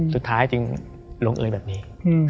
สุดท้ายจริงหลงเอิญแบบนี้